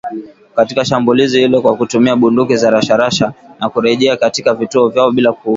Katika shambulizi hilo kwa kutumia bunduki za rashasha na kurejea katika vituo vyao bila kuumia.